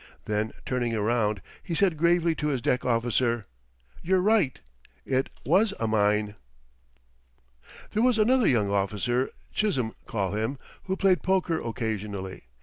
Then, turning around, he said gravely to his deck officer: "You're right it was a mine." There was another young officer Chisholm call him who played poker occasionally.